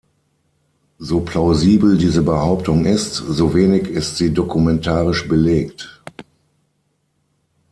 So plausibel diese Behauptung ist, so wenig ist sie dokumentarisch belegt.